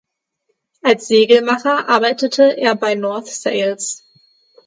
Als Segelmacher arbeitete er bei North Sails.